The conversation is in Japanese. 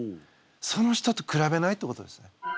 その人とくらべないってことですね。